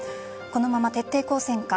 このまま徹底抗戦か